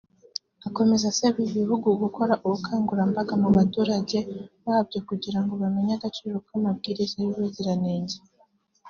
Akomeza asaba ibihugu gukora ubukangurambaga mu baturage babyo kugira ngo bamenye agaciro k’amabwiriza y’ubuziranenge